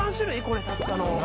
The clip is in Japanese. これたったの。